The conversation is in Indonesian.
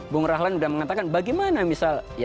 bung rahlan sudah mengatakan bagaimana misal